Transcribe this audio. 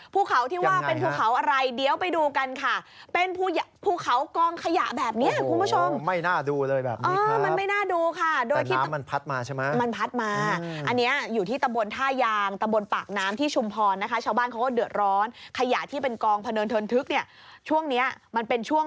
ภูเขาที่ว่าภูเขาอะไรเดี๋ยวไปดูกันค่ะ